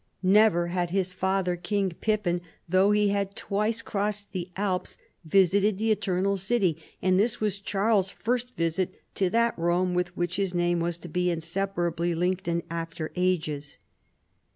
Never had his father. King Pippin, though he had twice crossed the Alps, visited the Eternal City, and this was Charles's first visit to that Rome with which his name was to be insepa rably linked in after ages.